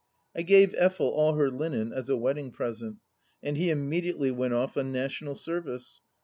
I gave Effel all her linen as a wedding present. And he immediately went off on national service.